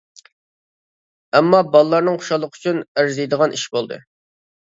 ئەمما بالىلارنىڭ خۇشاللىقى ئۈچۈن ئەرزىيدىغان ئىش بولدى .